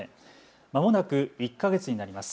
まもなく１か月になります。